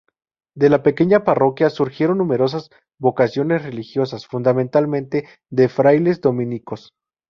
De la pequeña parroquia surgieron numerosas vocaciones religiosas, fundamentalmente de frailes dominicos.